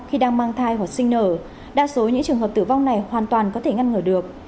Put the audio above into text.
khi đang mang thai hoặc sinh nở đa số những trường hợp tử vong này hoàn toàn có thể ngăn ngừa được